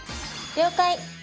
「了解！」